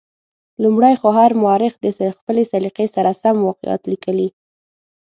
لومړی خو هر مورخ د خپلې سلیقې سره سم واقعات لیکلي.